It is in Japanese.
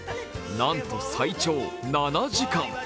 なんと最長７時間。